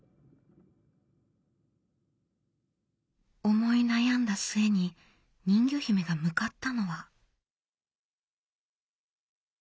思い悩んだ末に人魚姫が向かったのは。